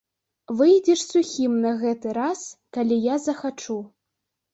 Выйдзеш сухім на гэты раз, калі я захачу.